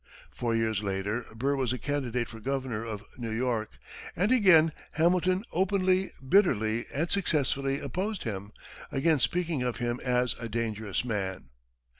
Four years later, Burr was a candidate for governor of New York, and again Hamilton openly, bitterly, and successfully opposed him, again speaking of him as "a dangerous man."